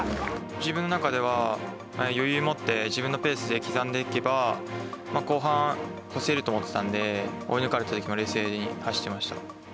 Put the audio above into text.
自分の中では、余裕持って、自分のペースで刻んでいけば、後半、越せると思っていたので、追い抜かれたときも冷静に走っていました。